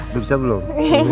udah bisa belum